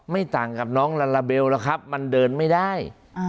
ไม่ต่างกับน้องลาลาเบลหรอกครับมันเดินไม่ได้